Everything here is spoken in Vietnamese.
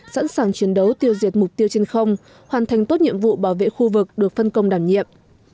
sẵn sàng chiến đấu tiêu diệt mục tiêu trên không hoàn thành tốt nhiệm vụ bảo vệ khu vực được phân công đảm nhiệm